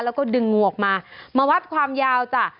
แล้วก็ดึงงูออกมามาวัดความยาวจ้ะ